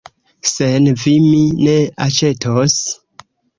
Sen vi mi ne aĉetos.